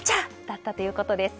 だったということです。